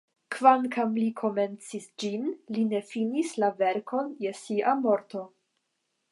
Kvankam Li komencis ĝin, Li ne finis la verkon je Sia morto.